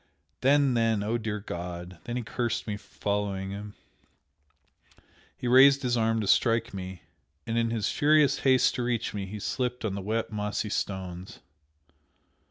then then, oh, dear God! then he cursed me for following him, he raised his arm to strike me, and in his furious haste to reach me he slipped on the wet, mossy stones.